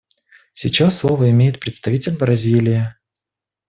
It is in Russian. Сейчас слово имеет представитель Бразилии.